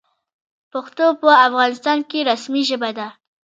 پښتو په افغانستان کې رسمي ژبه ده.